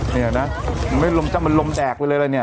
นี่นะมันลมแตกมันลมแตกไปเลยอะเนี่ย